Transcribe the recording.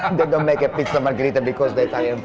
mereka tidak membuat pizza margarita karena panggilan italia